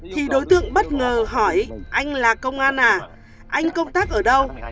thì đối tượng bất ngờ hỏi anh là công an à anh công tác ở đâu